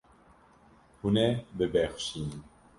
Hûn ê bibexşînin.